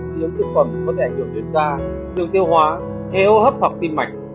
dị ứng thực phẩm có thể được biến ra được tiêu hóa theo hấp hoặc tiên mạch